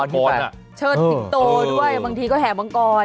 เชิดหลีกโตด้วยบางทีก็แถมลังกร